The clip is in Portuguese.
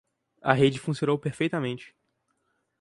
A rede funcionou perfeitamente.